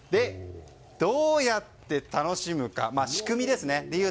どうやって楽しむか仕組みですね。